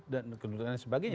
dan kedudukan dan sebagainya